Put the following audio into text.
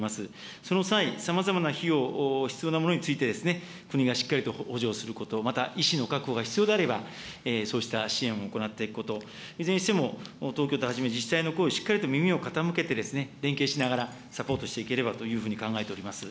その際、さまざまな費用、必要なものについて、国がしっかりと補助をすること、また医師の確保が必要であれば、そうした支援を行っていくこと、いずれにしても、東京都はじめ自治体の声にしっかりと耳を傾けて、連携しながらサポートしていければというふうに考えております。